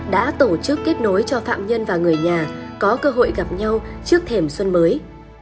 đã tổ chức kết nối cho phạm nhân và người nhà có cơ hội gặp nhau trước thềm xuân mới